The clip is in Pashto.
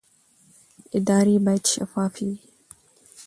ادارې باید شفافې وي